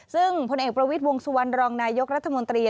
ซึ่งผลเอกประวิทย์วงสุวรรณรองนายกรัฐมนตรี